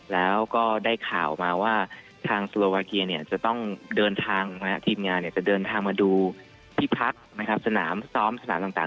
แล้วก็ได้ข่าวมาว่าทางสโลวาเกียจะต้องเดินทางมาดูที่พักสนามซ้อมสนามต่าง